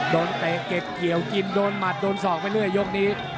เตะเก็บเกี่ยวกินโดนหมัดโดนศอกไปเรื่อยยกนี้